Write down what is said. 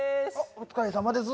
お疲れさまです。